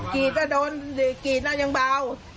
กรีดน่ะยังบ้าว